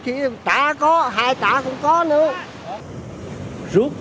khi phát hiện khu vực nhiều rút